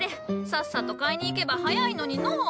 さっさと買いに行けば早いのにのう。